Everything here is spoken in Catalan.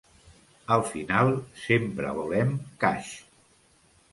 Al final, sempre volem cash.